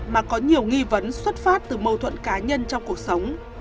và có nhiều nghi vấn xuất phát từ mâu thuận cá nhân trong cuộc sống